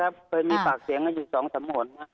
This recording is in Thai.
เคยมีปากเสียงอยู่๒สมมุตินะ